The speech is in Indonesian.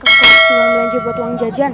pasti mau jajan buat uang jajan